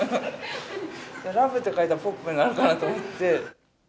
ＬＯＶＥって書いたらポップになるかなと思って。